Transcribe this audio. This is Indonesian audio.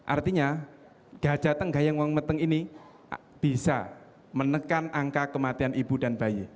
artinya gajateng gayeng wang meteng ini bisa menekan angka kematian ibu dan bayi